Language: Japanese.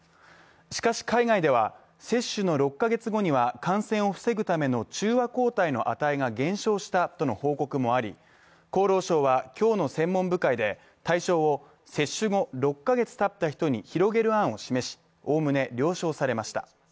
しかし海外では、接種の６カ月後には感染を防ぐための中和抗体の値が減少したとの報告もあり、厚労省は今日の専門部会で対象を接種後６カ月たった人に広げる案を示し、おおむね了承されました。